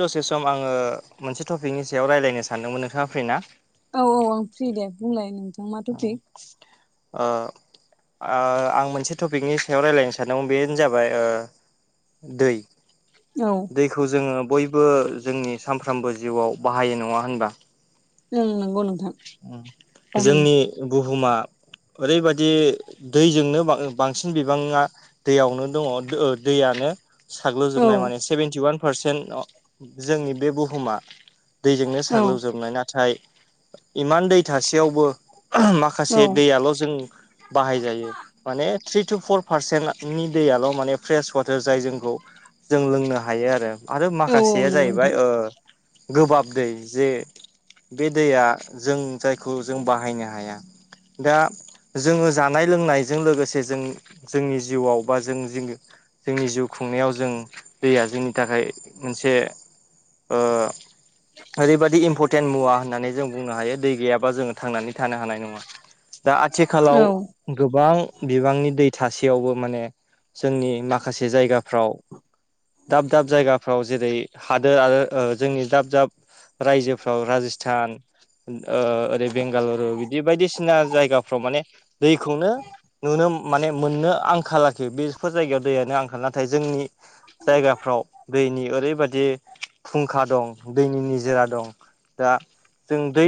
दसे सम आङो मोनसे टपिकनि सायाव रायज्लायनो सानदोंमोन नोंथाङा फ्रिना? औ औ आं फ्रि दे बुंलाय नों आ आं मोनसे टपिकनि सायाव रायज्लायनो सानदोंमोन बेनो जाबाय दै औ दैखौ जोङो बयबो जोंनि सामफ्रोमबो जिउआव बाहायो नङा होनबा? उम नंगौ नोंथां। बाहायो जोंनि बुहुमा ओरैबायदि दैजोंनो बांसिन बिबाङा दैयावनो दङ दैयानो औ साग्ल'जोबनाय माने सेभेेनटिवान पारसेन्ट जोंनि बे बुहुमा दैजोंनो औ साग्लोबजोबनाय नाथाय इमान दै थासेयावबो औ माखासे दैयाल' जों बाहायजायो माने थ्रि टु फर पारसेन्टनि दैयाल' माने फ्रेस वाटार जाय जोंखौ जों लोंनो हायो आरो। आरो औ माखासेया नंगौ जाहैबाय नोंथां गोबाब दै जे बे दैया जों जायखौ जों बाहायनो हाया दा जोङो जानाय लोंनायजों लोगोसे जों जोंनि जिउआव बा जों जोंनि जिउ खुंनायाव जों दैया जोंनि थाखाय मोनसे ओ ओरैबाददि इम्परटेन्ट मुवा होननानै जों बुंनो हायो दै गैयाबा जोङो थांनानै थानो हानाय नङा दा आथिखालाव औ गोबां बिबांनि दै थासेयावबो माने जोंनि माखासे जायगा फाव दाब दाब जायगाफ्राव जेरै हादोर आरो जोंनि दाब दाब रायजोफ्राव राजस्थान ओरै बेंगालुरु बिदि बायदिसिना जायगाफ्राव माने दैखौनो नुनो माने मोननो आंखााललाखि बेफोर जायगायाव दैयानो आंखाल नाथाय जोंनि जायगाफ्राव दैनि ओरैबायाददि फुंखा दं दैनि निजोरा दं दा जों दै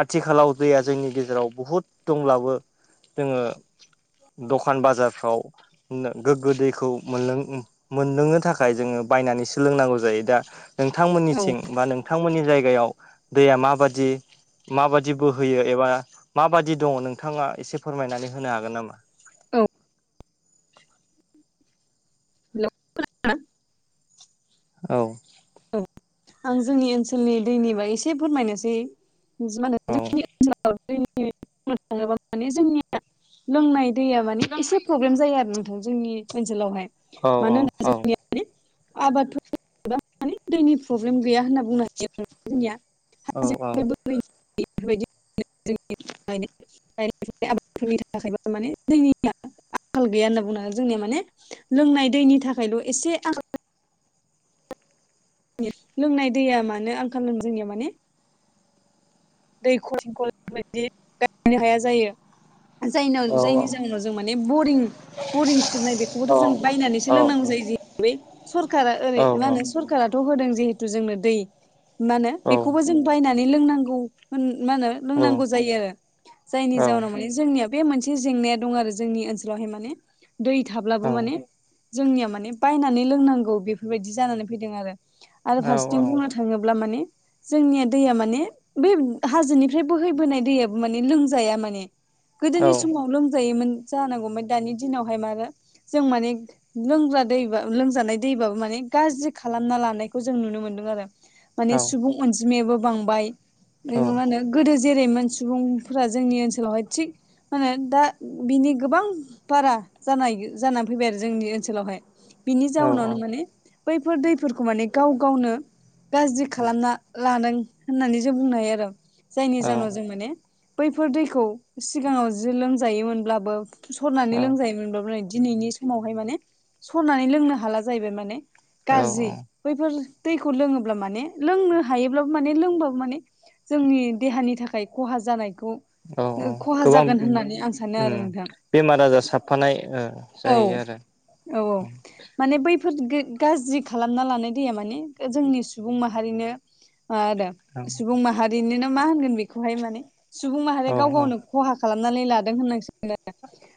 आथिखालाव दैया जोंनि गेजेराव बहुद दंब्लाबो जोङो दखान बाजारफ्राव गोग्गो दैखौ मोनलों मोनदोंनो थाखाय जोङो बायनानै सोलोंनांगौ जायो दा औ नोंथांमोननिथिं बा नोंथांमोननि जायगायाव दैया मााबाददि माबाददि बोहोयो एबा माबादि दङ नोंथाङा एसे फोरमायनानै होनो हागोन नामा? औ [unintelligible] औ औ आं जोंनि ओनसोलनि दैनिबा एसे फोरमायनोसै म होन औ जोंनि ओनसोल दै थाङोबा माने जोंनिया लोंनाय दैया माने इसे प्रबलेम जायो आरो नोंथां जोंनि ओनसोलावहाय औ औ मानोहौनोबा आबाथ' माने दैनि प्रब्लेम गैया होनना बुंनो हायो आरो जोंनिया औ हाजो ब बेफोरबायदि नाय आबादफोरनि थाखायब माने जोंनिया आंखाल गैया होनना बुंनो होन जोंनिया माने लोंनाय दैनि थाखायल' एसे आं लोंनाय दैया मानो आंखाल जोंनियाव माने दै खरंखल बिदि गायनो हाया जायो। जायनाव औ जायनि जाहनाव जों माने बरिं बरिं खुरनाय औ बेखौबोथ' जों बायनानैसो औ लोंनांगौ जायो ज सरखारा ओरै औ मा होनो औ सरखाराथ' होदों जिहेथु जोंनो दै मा होनो बेखौबो जों बायनानै लोंनांगौ मा होनो लोंनांगौ जायो आरो जायनि जाहनाव माने जोंनिया बे मोनसे जेंनाया दं आरो जोंनि ओनसोलावहाय माने दै थाब्लाबो माने जोंनिया माने बायनानै लोंनांगौ बेफोरबायदि जानानै फैदों आरो आरो फारसेथिं बुंनो थाङोब्ला माने जोंनिया दैया माने बे हाजोनिफ्राय बोहैबोनाय दैयो माने लोंजाया माने गोदोनि समाव लोमजायोमोन जानांगौ ओमफ्राय दानि दिनावहाय म जों माने लोंग्रा दैब लोंजानाय दैबाबो माने गाज्रि खालामना लानायखौ जों नुनो मोनदों आरो माने सुबुं अनजिमायाबो बांबाय मा होनो गोदो जेरै सुबुंफोरा जोंनि ओनसोलावहाय थिग मो दा बिनि गोबां बारा जानाय जानानै फैबाय आरो जोंनि ओनसोलावहाय बिनि जाउनावनो माने बैफोर दैफोरखौ माने गाव गावनो गाज्रि खालामना लादों होननानै जों बुंनो हायो आरो जायनि जाहोनाव जों माने बैफोर दैखौ सिगाङाव जि लोमजायोमोनब्लाबो सरनानै औ लोंजायोमोनब्लाब दिनैनि समावहाय माने सरनानै लोंनो हाला जाहैबाय माने औ गाज्रि औ बैफोर दैखौ लोङोब्ला माने लोंनो हायोब्लाबो माने लोंबाबो माने जोंनि देहानि थाखाय खहा जानायखौ औ खहा गोबां जागोन होननानै आं सानो उम आरो नोंथां। बेमार आजार साबफानाय औ जाहैयो आरो। औ औ। माने बैफोर गाज्रि खालामना लानाय दैया माने जोंनि सुबुं माहारिनो आरो सुबुं माहारिनोनो मा होनगोन बेखौहाय माने सुबुं औ माहारिया गाव गावनो खहा खालामनानै लादों होननांसि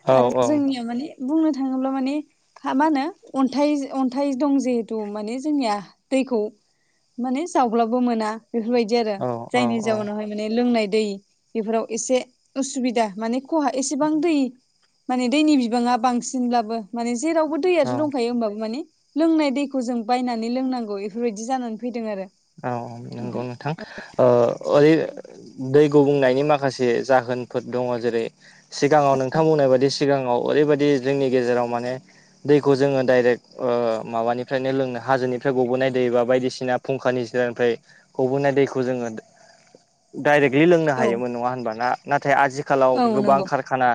औ आरो जोंनिया माने बुंनो थाङोब्ला माने ह मा होनो अन्थाइ अन्थाइ दं जिहेथु माने जोंनिया दैखौ माने जावब्लाबो मोना बे आरो औ औ जायनि जाउनावहाय माने लोंनाय दै बेफोराव एसे उसुबिदा माने हा एसेबां दै माने दैनि बिबाङा बांसिनबो माने जेरावबो औ दैआथ' दंखायो होनोमबाबो माने लोंनाय दैखौ जों बायनानै लोंनांगौ बेफोरबायदि जानानै फैदों आरो। औ नंगौ नोंथां ओरै दै गुबुंनायनि माखासे जाहोनफोर दङ जेरै सिगाङाव नोंथां बुंनाय बायदि सिगाङाव ओरैबायदि जोंनि गेजेराव माने दैखौ जोङो डाइरेक्ट माबानिफ्रायनो लोंनो हाजोनिफ्राय गबोनाय दै बा बायदिसिना फुंखानि जिरानिफ्राय हबोनाय दैखौ जोङो डाइरेक्टलि लोंनो औ हायोमोन नङा होनबाना नाथाय आजथिखालाव औ गोबां नंगौ कारखाना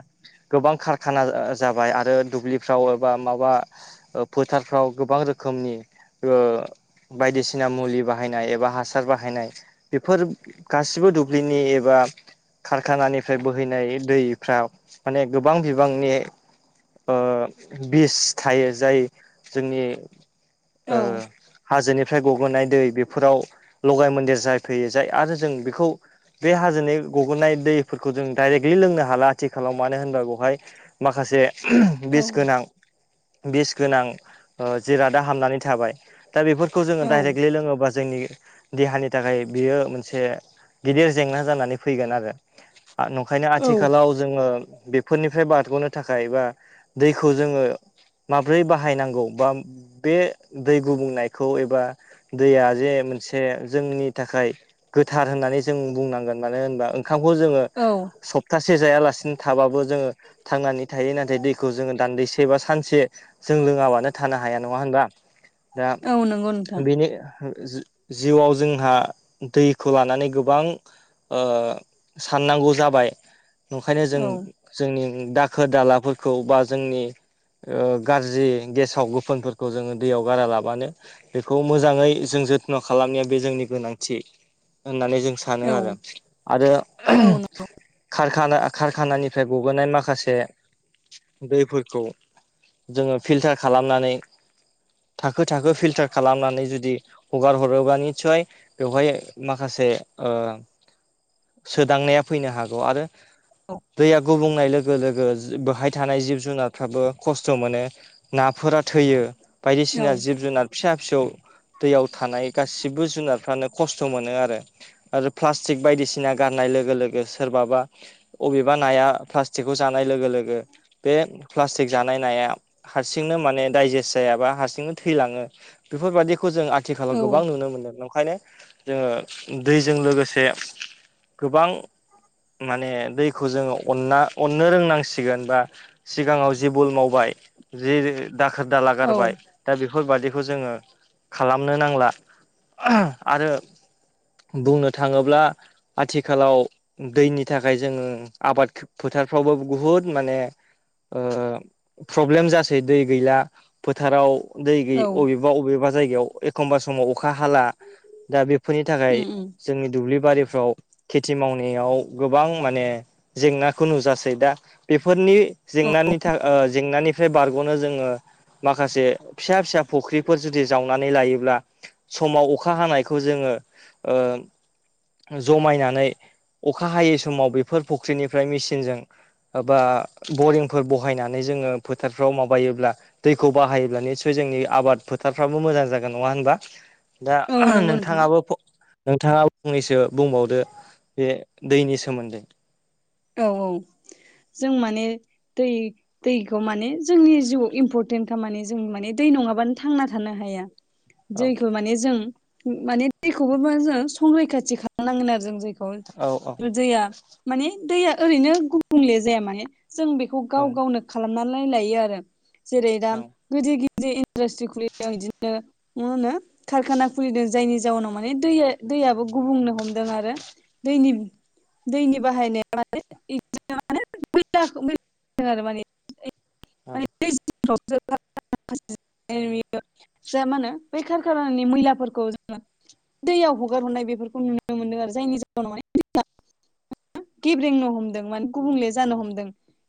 गोबां खारखाना जाबाय आरो दुब्लिफ्राव एबा माबा फोथारफ्राव गोबां रोखोमनि बायदिसिना ना मुलि बाहायनाय एबा हासार बाहायनाय बेफोर गासिबो दुब्लिनि एबा कारखानानिफ्राय बोहैनाय दैफाव माने गोबां बिबांनि ओ बिस थायो जाय जोंनि औ हाजोनिफ्राय फ्राय गगोनाय दै बेफोराव लगाय मन्दिर जाय फैयो जाय आरो जों बेखौ बे हाजोनि गबोननाय दैफोरखौ जों डाइरेक्टलि लोंनो हाला आथिखालाव मानो होनबा बेवहाय माखासे औ बेस गोनां बिस गोनां जिरादा हाबनानै थाबाय दा बेफोर खौ जोङो औ डाइरेक्टलि लोङोबा जोंनि देहानि थाखाय बियो मोनसे गिदिर जेंना जानानै फैगोन आरो नंखायनो औ आथिखालाव जोङो बेफोरनिफ्राय बारग'नो थाखाय ए बा दैखौ जोङो माब्रै बाहायनांगौ बा बे दै गुबुंनाय खौ एबा दैया जे मोनसे जोंनि थाखाय गोथार होननानै जों बुंनांगोन मानो होनोबा ओंखामखौ जोङो औ स गसे जायालासिनो थाबाबो जोङो थांनानै थायो नाथाय दैखौ जोङो दान्दैसे बा सानसे जों लोङाबानो थानो हाया नङा होनबा दा औ नोंगौ बेनि जिउआव जोंहा दैखौ लानानै गोबां साननांगौ जाबाय ओंखायनो जों औ जोंनि दाखोर दालाफोरखौ बा जोंनि ओ गाज्रि गेसाव गोफोनफोरखौ जोङो दैयाव गारा लाबानो बेखौ मोजाङै जों जथ्न' खालामनाया बे जोंनि गोनांथि होननानै जों सानो औ सानो आरो औ आरो खारखाना कारखानानिफ्राय गबोनाय माखासे दैफोरखौ जोङो फिल्टार खालामनानै थाखो थाखो फिल्टार टार खालामनानै जुदि हगार हरोबा निसय बेवहाय माखासे सोदांनाया फैनो हागौ आरो नंगौ दैया गुबुंनाय लोगो लोगो बहाय थानाय जिब जुनारफ्राबो खस्थ' मोनो नाफोरा थैयो औ बायदिसिना जिब जुनार फिसा फिसौ दैयाव थानाय गासिबो जुनारफ्रानो खस्थ' मोनो आरो आरो प्लास्टिक बायदिसिना गारनाय लोगो लोगो सोरबाबा अबेबा नाया प्लास्टिकखौ जानाय लोगो लोगो बे प्लास्टिक जानाय नाया हारसिंनो माने डाइजेस्ट जायाबा हारसिंनो थैलाङो बेफोरबायादिखौ जों आथिखालाव औ गोबां नुनो मोनदों ओंखायनो जोङो दैजों लोगोसे गोबां माने दैखौ जोङो अनना अननो रोंनांसिगोन बा सिगाङाव जि बल मावबाय जि दाखोर औ दालागारबाय दा बेफोरबायादिखौ बेखौ जोङो खालामनो नांला आरो बुंनो थाङोब्ला आथिखालाव दैनि थाखाय जोङो आबादखौ फोथारफ्रावबो बुहुत माने प्रब्लेम जासै दै गैला फोथाराव दै गै औ अबेबा अबेबा जायगायाव एखमबा समाव अखा हाला दा बेफोरनि थाखाय उम उम जोंनि दुब्लि बारिफ्राव खेथि मावनायाव गोबां माने जेंनाखौ नुजासै दा बेफोरनि जेंनानि थाखाय जेंनानिफ्राय बारग'नो जोङो माखासे फिसा फिसा फुख्रिफोर जुदि जावनानै लायोब्ला समाव अखा हानायखौ जोङो जमायनानै अखा हायै समाव बेफोर फुख्रिनिफ्राय मेसिनजों बबा बरिंफोर बहायनानै जोङो फोथारफ्राव माबायोब्ला दैखौ बाहायोब्ला निस्य जोंनि आबाद फोथारफ्राबो मोजां जागोन नङा होनबा दा औ नंगौ नोंथां नोंथाङाबो नोंथाङा फंनैसो बुंबावदो बे दैनि सोमोन्दै औ औ जों माने दै दैखौ माने जोंनि जिउआव इम्परटेन्ट खा माने जों माने दै नङाबानो थांना थानो हाया औ दैखौ माने जों माने दैखौबो माने जों संरैखाथि खालामनांगोन आरो जों जे खौ औ औ दैया माने दैया ओरैनो गुबुंले जाया माने जों बे खौ औ गाव गावनो खालामनानै लाय लायो आरो जेरै दा औ गिदिर गिदिर इन्डास्ट्रि खुलिदों इदिनो मा होनो कारखाना खुलिदों जायनि जाउनाव माने दैया दैयाबो गुबुंनो हमदों आरो दैनि दैनि बाहायनाय औ [unintelligible] [unintelligible] जा मा होनो बे खारखानानि मैलाफोरखौ जोङो दैयाव हगार हरनाय बेफोरखौ नुनो मोनदों आरो जायनि जाहोनाव माने दैया गेब्रेंनो हमदों माने गुबुंले जानो हमदों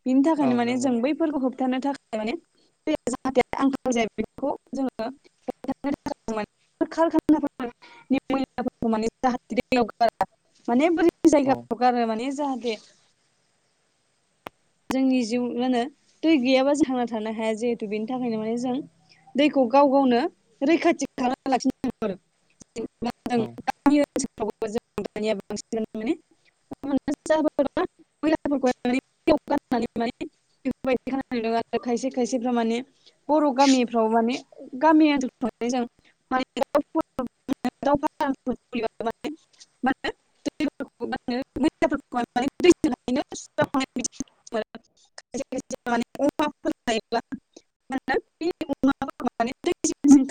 बिनि औ थाखायनो माने नंगौ जों बै फोरखौ होबथानो थाखाय माने दै जाहाथे आंखाल जायो बेखौ जोङो [unintelligible] [unintelligible] [unintelligible] जायगावफोराव गारनो औ माने जाहाथे जोंनि जिउ मा होनो दै गैयाबा जों थांना थानो हाया जिहेथु बेनि थाखायनो माने जों दैखौ गाव गावनो रैखाथि खालामना औ लाखिनो [unintelligible] [unintelligible] [unintelligible] [unintelligible] खायसे खायसेफ्रा माने बर' गामिफ्राव माने गामि ओनसोलफ्राव जों [unintelligible] [unintelligible] [unintelligible] [unintelligible] [unintelligible]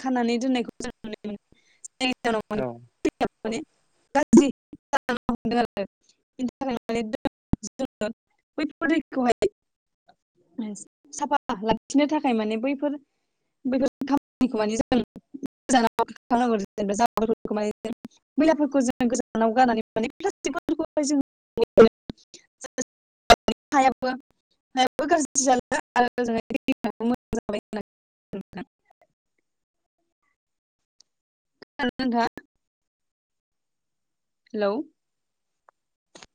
खानानै दोननायखौ जों नुनो मोनो। औ [unintelligible] बेनि थाखाय माने दै जोङो [unintelligible] बैफोर दैखौहाय साफा लाखिनो थाखाय माने बैफोर [unintelligible] मैलाफोरखौ जोङो गोजानाव गारनानै मोनो प्लाटिकफोरखौहाय जों [unintelligible] [unintelligible] [unintelligible] [unintelligible] हेलौ